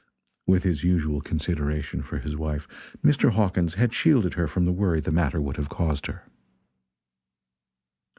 With his usual consideration for his wife, Mr. Hawkins had shielded her from the worry the matter would have caused her.